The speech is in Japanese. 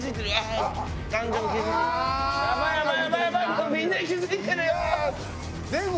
これみんな気付いてるよ。